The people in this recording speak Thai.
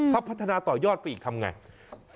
พักพัฒนาต่อยอดไปอีกทำอย่างไร